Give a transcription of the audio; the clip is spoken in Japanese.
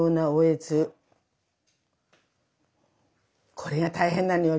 これが大変なのよ。